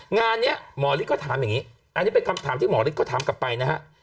งานนี้หมอฤทธิ์ก็ถามอย่างนี้อันนี้เป็นคำถามที่หมอฤทธิ์ถามกลับไปนะฮะ